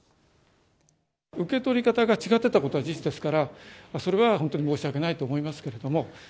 受け取り方が違ってたことは事実ですから、それは本当に申し訳ないと思いますけれども。